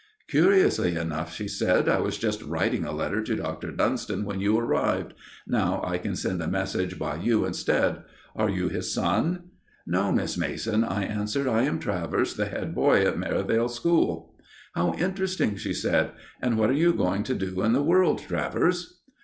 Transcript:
"Curiously enough," she said, "I was just writing a letter to Dr. Dunston when you arrived. Now I can send a message by you instead. Are you his son?" "No, Miss Mason," I answered. "I am Travers, the head boy at Merivale School." "How interesting!" she said. "And what are you going to do in the world, Travers?"